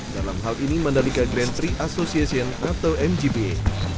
dalam hal ini mandalika grand prix association atau mgpa